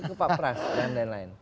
itu pak pras dan lain lain